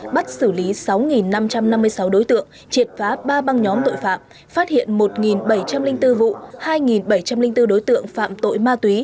bắt xử lý sáu năm trăm năm mươi sáu đối tượng triệt phá ba băng nhóm tội phạm phát hiện một bảy trăm linh bốn vụ hai bảy trăm linh bốn đối tượng phạm tội ma túy